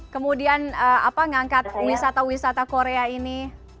kemudian apa ngangkat wisata wisata korea ini